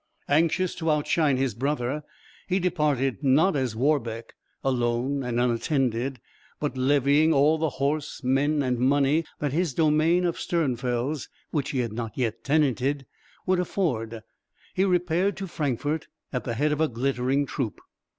Anxious to outshine his brother, he departed not as Warbeck, alone and unattended, but levying all the horse, men, and money that his domain of Sternfels which he had not yet tenanted would afford, he repaired to Frankfort at the head of a glittering troop.